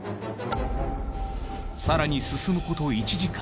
さらに進むこと１時間。